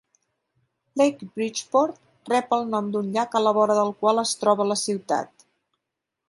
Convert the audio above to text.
Lake Bridgeport rep el nom d'un llac a la vora del qual es troba la ciutat.